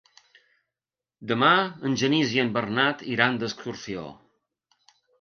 Demà en Genís i en Bernat iran d'excursió.